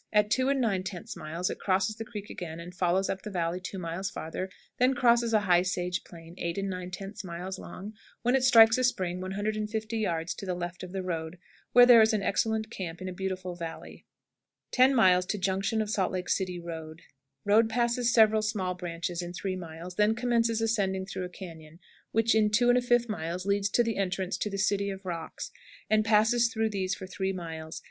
At 2 9/10 miles it crosses the creek again, and follows up the valley two miles farther, then crosses a high sage plain 8 9/10 miles long, when it strikes a spring 150 yards to the left of the road, where there is an excellent camp in a beautiful valley. 10. Junction of Salt Lake City Road. Road passes several small branches in 3 miles, then commences ascending through a cañon which, in 2 1/5 miles, leads to the entrance to the "City of Rocks," and passes through these for three miles.